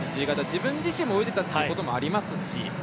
自分自身も泳いでたということもありますし。